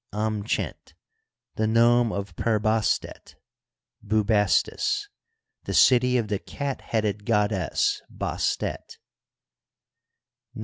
Amchent, the nome of Per bastet (Bubastts), the city of the cat headed goddess Bastet, XIX.